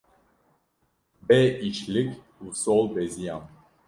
bê îşlig û sol beziyam